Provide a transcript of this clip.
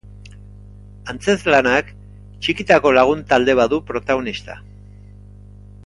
Antzezlanak txikitako lagun-talde bat du protagonista.